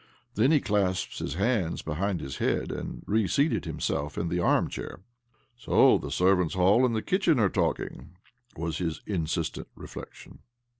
Then he clasped his hands behind his head, and re seated himself in the arm chair. " So the servants' hall and the kitchen are talking!" was his insistent reflection.